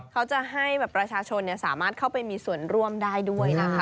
เขาจะให้ประชาชนสามารถเข้าไปมีส่วนร่วมได้ด้วยนะคะ